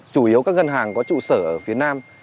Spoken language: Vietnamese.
chủ yếu các ngân hàng có trụ sở ở phía nam